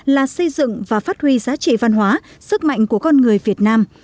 là xây dựng và phát huy giá trị văn hóa sức mạnh của con người việt nam